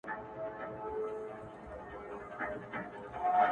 ساحله زه د عقل سترګي په خیال نه زنګوم!